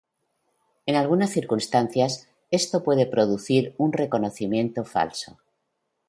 En algunas circunstancias esto puede producir un reconocimiento falso.